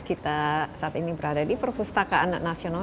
kita saat ini berada di perpustakaan nasional